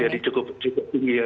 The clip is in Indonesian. jadi cukup tinggi ya